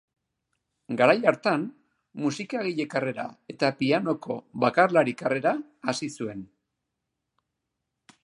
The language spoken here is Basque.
Garai hartan, musikagile-karrera eta pianoko bakarlari-karrera hasi zuen.